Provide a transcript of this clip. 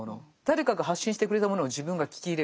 誰かが発信してくれたものを自分が聞き入れる。